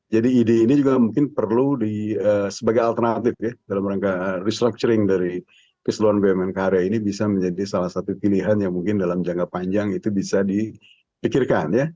jadi ide ini juga mungkin perlu sebagai alternatif ya dalam rangka restructuring dari keseluruhan bumn karya ini bisa menjadi salah satu pilihan yang mungkin dalam jangka panjang itu bisa dipikirkan ya